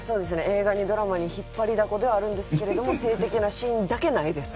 映画にドラマに引っ張りだこではあるんですけれども性的なシーンだけないですね。